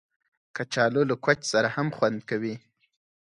کچالو له کوچ سره هم خوند کوي